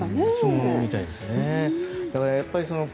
そうみたいですね。